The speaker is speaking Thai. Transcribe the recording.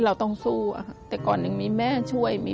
ทำงานชื่อนางหยาดฝนภูมิสุขอายุ๕๔ปี